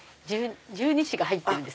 十二支が入ってるんです。